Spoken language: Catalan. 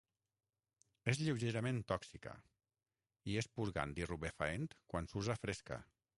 És lleugerament tòxica i és purgant i rubefaent quan s'usa fresca.